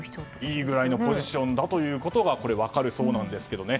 いいぐらいのポジションだということが分かるそうなんですけどね。